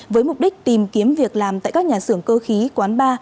với mục đích tìm kiếm việc làm tại các nhà xưởng cơ khí quán bar